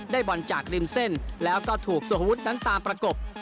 บอลจากริมเส้นแล้วก็ถูกสุภวุฒินั้นตามประกบ